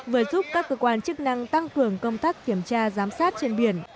vừa giúp các cơ quan chức năng tăng cường công tác kiểm tra giám sát trên biển